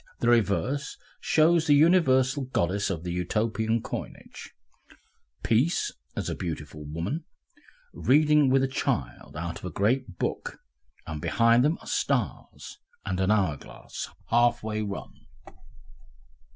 The reverse shows the universal goddess of the Utopian coinage Peace, as a beautiful woman, reading with a child out of a great book, and behind them are stars, and an hour glass, halfway run.